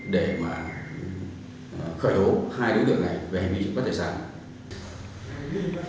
để khởi hố hai đối tượng này về hành vi trụng bắt tài sản